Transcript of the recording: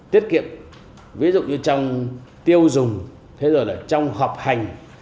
tiết kiệm ví dụ như trong tiêu dùng thế rồi là trong học hành